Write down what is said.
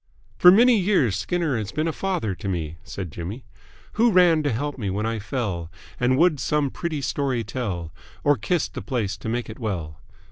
"For many years Skinner has been a father to me," said Jimmy. "Who ran to help me when I fell, And would some pretty story tell, Or kiss the place to make it well?